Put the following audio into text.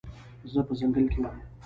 زه په ځنګل کې وم